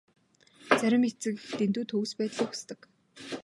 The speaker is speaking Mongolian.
Зарим эцэг эх дэндүү төгс байдлыг хүсдэг.